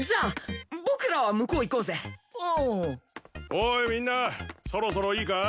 おいみんなそろそろいいか？